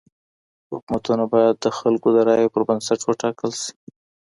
حکومتونه بايد د خلګو د رايو پر بنسټ وټاکل سي.